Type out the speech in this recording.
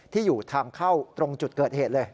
ที่อยู่ทางเข้าตรงจุดเกิดเหตุเลย